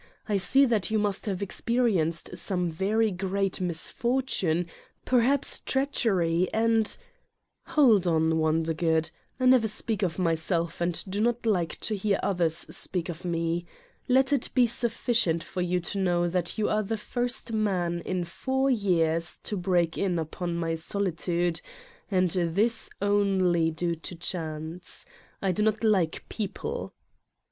I see that you must have experienced some very great mis fortune, perhaps treachery and " "Hold on, Wondergood! I never speak of my self and do not like to hear others speak of me. Let it be sufficient for you to know that you are the first man in four years to break in upon my solitude and this only due to chance. I do not like people."